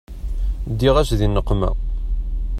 Ddiɣ-as di nneqma.